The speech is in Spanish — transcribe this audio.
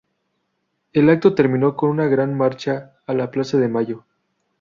El acto terminó con una gran marcha a la Plaza de Mayo.